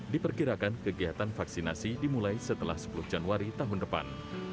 diperkirakan kegiatan vaksinasi dimulai setelah sepuluh januari tahun depan